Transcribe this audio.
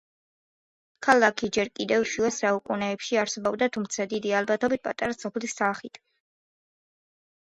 ქალაქი ჯერ კიდევ შუა საუკუნეებში არსებობდა, თუმცა დიდი ალბათობით, პატარა სოფლის სახით.